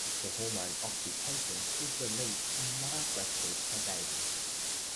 The hormone oxytocin is released when a mother breastfeeds her baby.